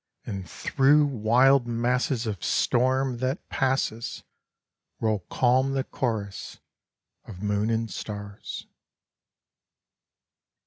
And through wild masses of storm, that passes, Roll calm the chorus of moon and stars.